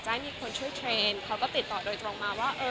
ให้มีคนช่วยเทรนด์เขาก็ติดต่อโดยตรงมาว่า